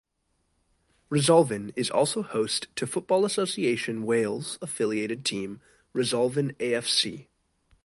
Resolven is also host to Football Association Wales affiliated team Resolven AfC.